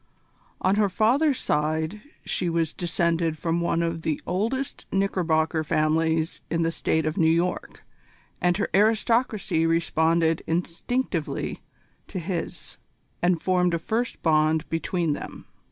On her father's side she was descended from one of the oldest Knickerbocker families in the State of New York and her aristocracy responded instinctively to his, and formed a first bond between them.